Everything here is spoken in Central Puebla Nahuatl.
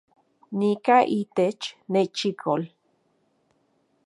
Nika itech nechikol